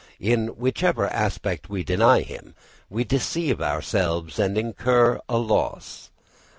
In whichever aspect we deny him we deceive ourselves and incur a loss.